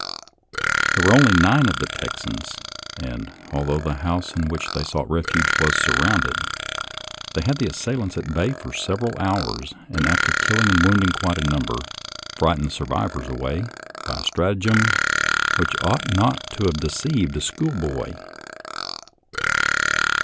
There were only nine of the Texans, and, although the house in which they sought refuge was surrounded, they held the assailants at bay for several hours, and after killing and wounding quite a number, fright ened the survivors away by a stratagem which ought not to have deceived a schoolboy.